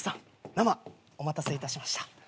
生お待たせいたしました。